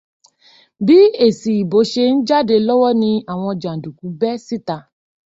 Bí èsì ìbò ṣe ń jáde lọ́wọ́ ni àwọn jàǹdùkú ń bẹ́ síta